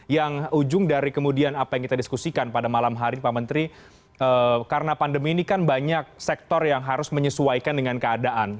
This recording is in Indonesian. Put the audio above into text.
yang ujung dari kemudian apa yang kita diskusikan pada malam hari ini pak menteri karena pandemi ini kan banyak sektor yang harus menyesuaikan dengan keadaan